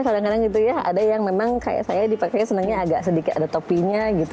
kadang kadang gitu ya ada yang memang kayak saya dipakai senangnya agak sedikit ada topinya gitu